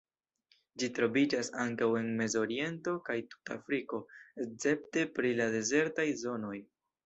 Ĝi troviĝas ankaŭ en Mezoriento kaj tuta Afriko, escepte pri la dezertaj zonoj.